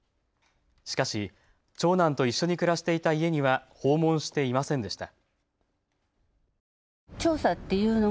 しかし長男と一緒に暮らしていた家には訪問していませんでした。